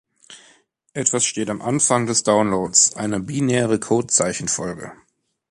Etwas steht am Anfang des Downloads: eine binäre Code-Zeichenfolge.